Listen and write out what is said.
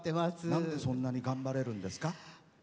なんで、そんなに頑張れるんですか？